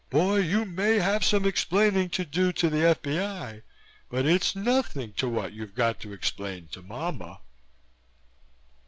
Boy, you may have some explaining to do to the F.B.I., but it's nothing to what you got to explain to momma."